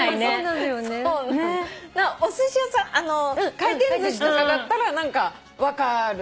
回転寿司とかだったら何か分かるんだよね。